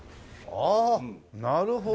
ああなるほどね！